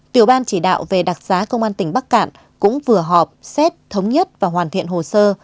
tiểu ban chỉ đạo về đặc giá công an tỉnh bắc cạn cũng vừa họp xét thống nhất và hoàn thiện hồ sơ